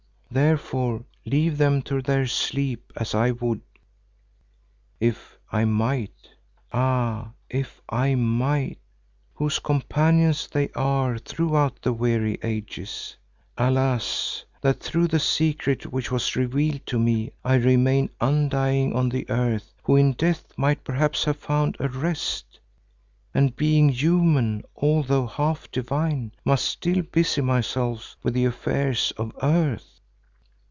Therefore leave them to their sleep as I would if I might—ah! if I might, whose companions they are throughout the weary ages. Alas! that through the secret which was revealed to me I remain undying on the earth who in death might perhaps have found a rest, and being human although half divine, must still busy myself with the affairs of earth.